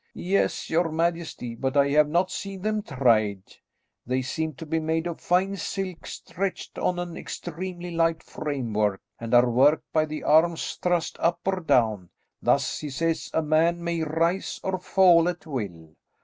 "Yes, your majesty, but I have not seen them tried. They seem to be made of fine silk stretched on an extremely light framework, and are worked by the arms thrust up or down; thus, he says, a man may rise or fall at will."